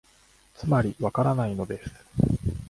つまり、わからないのです